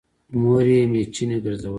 مور يې مېچنې ګرځولې